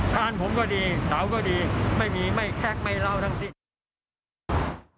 ทานผมก็ดีเสาก็ดีไม่มีไม่แคกไม่เล่าทั้งสิ้น